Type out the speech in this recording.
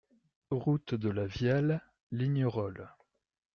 Route de la Viale, Lignerolles